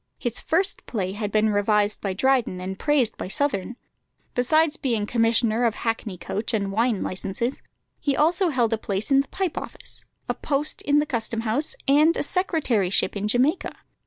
His first play had been revised by Dryden and praised by Southerne. Besides being commissioner of hackney coach and wine licences, he also held a place in the Pipe Office, a post in the Custom House, and a secretaryship in Jamaica.